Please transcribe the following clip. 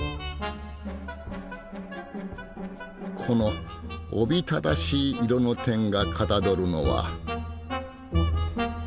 このおびただしい色の点がかたどるのは。